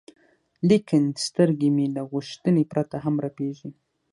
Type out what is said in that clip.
لیکن سترګې مو له غوښتنې پرته هم رپېږي.